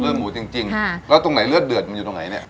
หมูจริงแล้วตรงไหนเลือดเดือดมันอยู่ตรงไหนเนี่ย